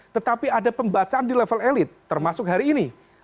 tetapi ada pembacaan di level elit termasuk hari ini